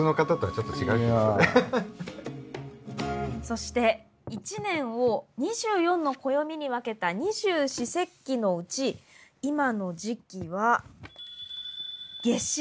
そして一年を２４の暦に分けた二十四節気のうち今の時期は夏至。